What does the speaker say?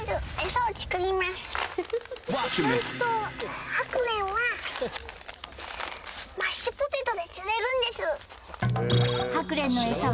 なんとハクレンはマッシュポテトで釣れるんです